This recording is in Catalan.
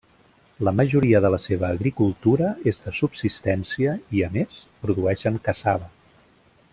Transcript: La majoria de la seva agricultura és de subsistència i, a més, produeixen cassava.